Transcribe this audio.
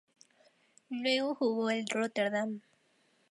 Luego jugó el Róterdam.